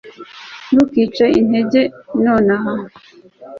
ntucike intege nonaha